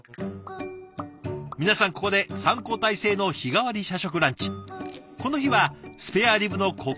皆さんここで３交代制の日替わり社食ランチ。